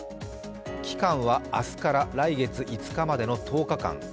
期間は明日から来月５日までの１０日間。